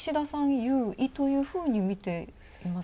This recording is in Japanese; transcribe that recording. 優位というふうにみています？